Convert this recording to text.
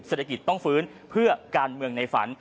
เศรษฐกิจต้องฟื้นเพื่อการเมืองในฝัน